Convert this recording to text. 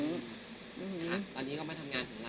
ค่ะตอนนี้ก็มาทำงานของเรา